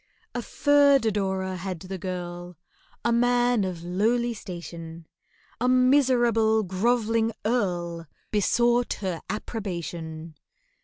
A third adorer had the girl, A man of lowly station— A miserable grov'ling Earl Besought her approbation.